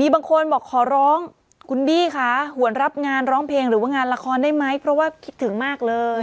มีบางคนบอกขอร้องคุณบี้คะหวนรับงานร้องเพลงหรือว่างานละครได้ไหมเพราะว่าคิดถึงมากเลย